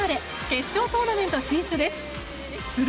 決勝トーナメント進出です。